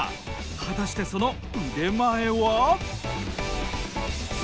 果たしてその腕前は？